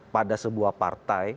pada sebuah partai